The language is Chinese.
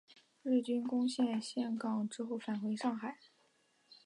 日军攻陷陷港之后返回上海。